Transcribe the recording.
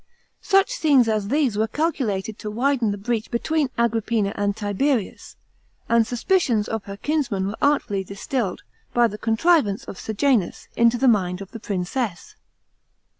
Such scenes as these were calculated to widen the breach between Ayrippina and Tiberius, and stisp:c'ons ot her kinsman were artfully distilled, by the contrivance of Sejanns, into the mind of the piincess.